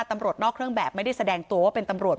ตำรวจนอกเครื่องแบบไม่ได้แสดงตัวว่าเป็นตำรวจ